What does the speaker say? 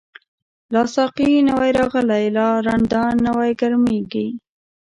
لا ساقی نوی راغلی، لا رندان نوی گرمیږی